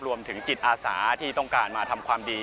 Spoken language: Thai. รวมถึงจิตอาสาที่ต้องการมาทำความดี